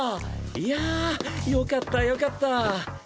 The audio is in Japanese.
いやよかったよかった。